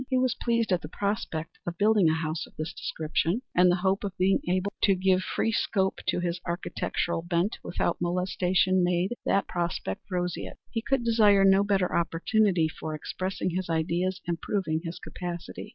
He was pleased at the prospect of building a house of this description, and the hope of being able to give free scope to his architectural bent without molestation made that prospect roseate. He could desire no better opportunity for expressing his ideas and proving his capacity.